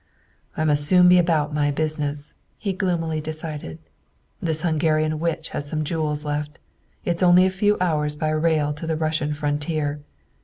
"I must soon be about my business," he gloomily decided. "This Hungarian witch has some jewels left. It's only a few hours by rail to the Russian frontier.